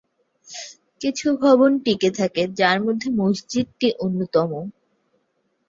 কিছু ভবন টিকে থাকে যার মধ্যে মসজিদটি অন্যতম।